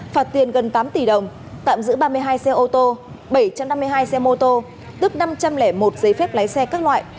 phạt tiền gần tám tỷ đồng tạm giữ ba mươi hai xe ô tô bảy trăm năm mươi hai xe mô tô tức năm trăm linh một giấy phép lái xe các loại